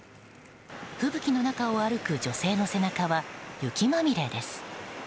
吹雪の中を歩く女性の背中は雪まみれです。